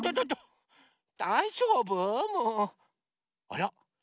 あら。